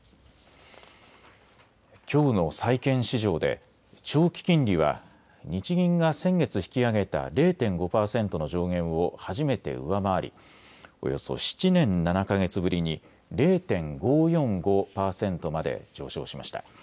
きょうの債券市場で長期金利は日銀が先月引き上げた０．５％の上限を初めて上回りおよそ７年７か月ぶりに０．５４５％まで上昇しました。